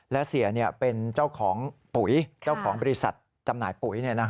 และเสียเป็นเจ้าของปุ๋ยเจ้าของบริษัทจำหน่ายปุ๋ย